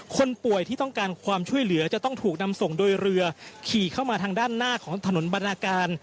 คนป่วยที่ต้องการความช่วยเหลือจะต้องถูกนำส่งโดยเรือขี่เข้ามาทางด้านหน้าของถนนบรรณาการ